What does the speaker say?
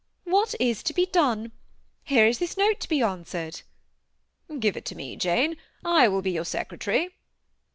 ^* What is to be done ? here is this note to be answered." '* Give it to me, Jane ; I will be 'your secretary."